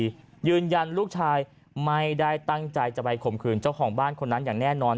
ยืนยันลูกชายไม่ได้ตั้งใจจะไปข่มขืนเจ้าของบ้านคนนั้นอย่างแน่นอน